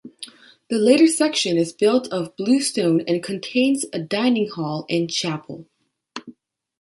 The later section is built of bluestone and contains a dining hall and chapel.